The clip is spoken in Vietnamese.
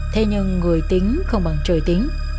thế nhưng người tính không bằng trời tính